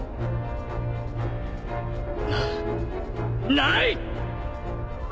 なない！